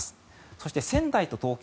そして、仙台と東京